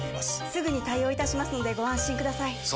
すぐに対応いたしますのでご安心ください